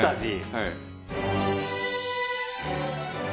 はい。